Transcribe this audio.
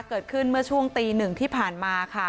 เกิดขึ้นเมื่อช่วงตีหนึ่งที่ผ่านมาค่ะ